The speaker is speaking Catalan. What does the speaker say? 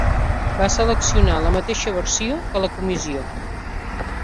Va seleccionar la mateixa versió que la comissió.